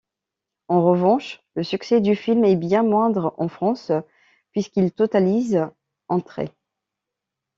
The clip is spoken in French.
En revanche, le succès du film est bien moindre en France, puisqu’il totalise entrées.